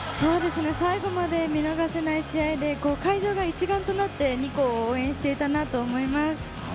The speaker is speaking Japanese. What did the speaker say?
最後まで見逃せない試合で、会場が一丸となって２校を応援していたなと思います。